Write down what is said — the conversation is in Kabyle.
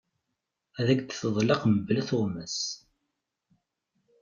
Ad ak-d-teḍleq mebla tuɣmas.